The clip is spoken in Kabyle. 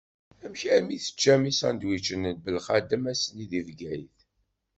Amek armi teččam isandwičen n Belxadem ass-nni deg Bgayet?